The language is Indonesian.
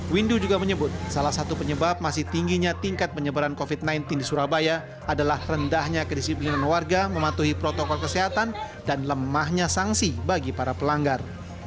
windu juga menyebut salah satu penyebab masih tingginya tingkat penyebaran covid sembilan belas di surabaya adalah rendahnya kedisiplinan warga mematuhi protokol kesehatan dan lemahnya sanksi bagi para pelanggar